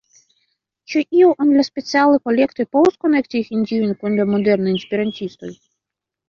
Ĉu io en la Specialaj Kolektoj povas konekti Hindion kun la modernaj esperantistoj?